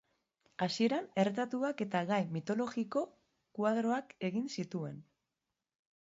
Hasieran erretratuak eta gai mitologiko koadroak egin zituen.